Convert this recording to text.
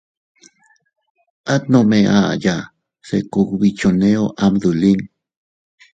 At nome aʼaya se kugbi choneo am dolin.